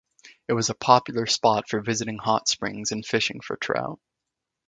It was a popular spot for visiting hot springs and fishing for trout.